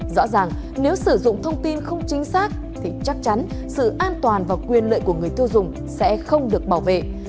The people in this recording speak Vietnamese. rõ ràng nếu sử dụng thông tin không chính xác thì chắc chắn sự an toàn và quyền lợi của người tiêu dùng sẽ không được bảo vệ